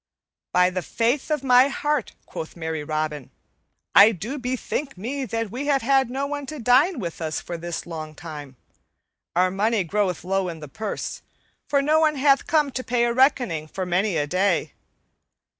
"By the faith of my heart," quoth merry Robin, "I do bethink me that we have had no one to dine with us for this long time. Our money groweth low in the purse, for no one hath come to pay a reckoning for many a day.